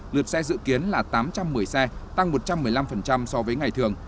lượt xe dự kiến là tám trăm một mươi xe tăng một trăm một mươi năm so với ngày thường